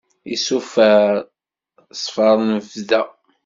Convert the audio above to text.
Iṣufeṛ, ṣṣfeṛ n bda.